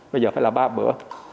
bây giờ phải là ba bữa